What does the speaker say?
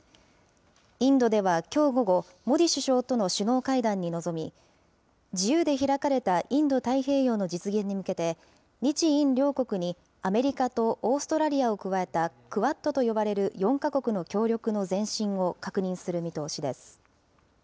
インドではきょう午後、モディ首相との首脳会談に臨み、自由で開かれたインド太平洋の実現に向けて、日印両国にアメリカとオーストラリアを加えたクアッドと呼ばれる４か国の協力の前進を確認する見通しです。